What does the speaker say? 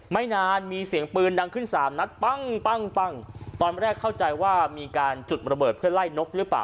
ไม่นานมีเสียงปืนดังขึ้นสามนัดปั้งปั้งปั้งตอนแรกเข้าใจว่ามีการจุดระเบิดเพื่อไล่นกหรือเปล่า